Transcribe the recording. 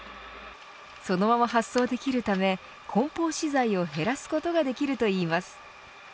そのまま発送できるため梱包資材を減らすことができるといいます。